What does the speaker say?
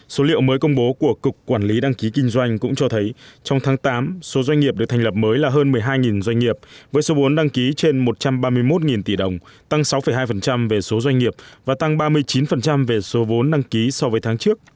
số liệu mới công bố của cục quản lý đăng ký kinh doanh cũng cho thấy trong tháng tám số doanh nghiệp được thành lập mới là hơn một mươi hai doanh nghiệp với số vốn đăng ký trên một trăm ba mươi một tỷ đồng tăng sáu hai về số doanh nghiệp và tăng ba mươi chín về số vốn đăng ký so với tháng trước